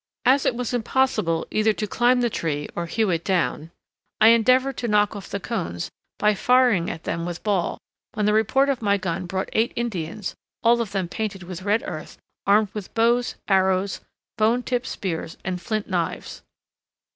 As it was impossible either to climb the tree or hew it down, I endeavored to knock off the cones by firing at them with ball, when the report of my gun brought eight Indians, all of them painted with red earth, armed with bows, arrows, bone tipped spears, and flint knives.